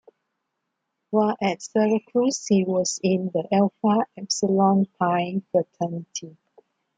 While at Syracuse, he was in the Alpha Epsilon Pi fraternity.